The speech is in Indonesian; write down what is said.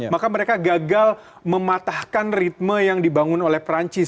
maka mereka gagal mematahkan ritme yang dibangun oleh perancis